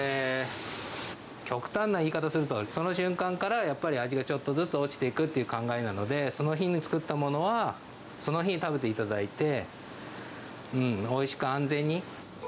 極端な言い方すると、その瞬間からやっぱり味がちょっとずつ落ちていくって考えなので、その日に作ったものはその日に食べていただいて、おいしく安全に。